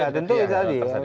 ya tentu itu tadi